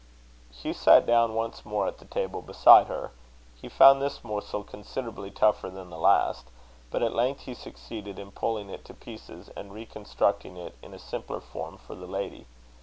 Hugh sat down once more at the table beside her. He found this morsel considerably tougher than the last. But at length he succeeded in pulling it to pieces and reconstructing it in a simpler form for the lady.